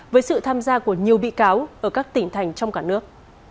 với sự tham gia của nhiều bị cáo ở các tỉnh thành trong cả nước